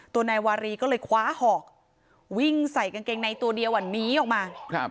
นายวารีก็เลยคว้าหอกวิ่งใส่กางเกงในตัวเดียวหนีออกมา